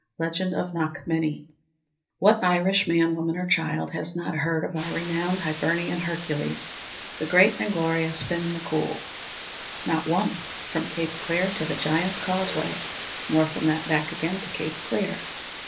A Legend of Knockmany What Irish man, woman, or child has not heard of our renowned Hibernian Hercules, the great and glorious Fin M'Coul? Not one, from Cape Clear to the Giant's Causeway, nor from that back again to Cape Clear.